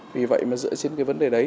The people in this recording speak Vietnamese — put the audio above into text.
vì vậy mà dựa trên vấn đề đấy